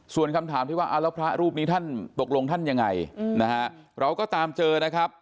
ส่วนคำถามที่ว่าแล้วพระรูปนี้ท่านตกลงท่านยังไงนะฮะเราก็ตามเจอนะครับ